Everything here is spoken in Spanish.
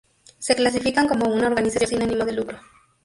Se clasifican como una organización sin ánimo de lucro.